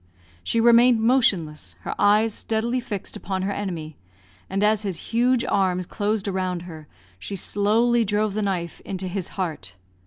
She remained motionless, her eyes steadily fixed upon her enemy, and as his huge arms closed around her, she slowly drove the knife into his heart.